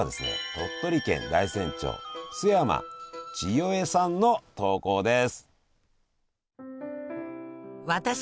鳥取県大山町陶山ちよえさんの投稿です。